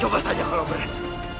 coba saja kalau berani